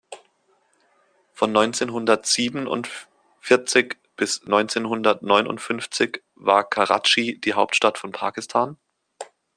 Von neunzehnhundertsiebenundvierzig bis neunzehnhundertneunundfünfzig war Karatschi die Hauptstadt von Pakistan.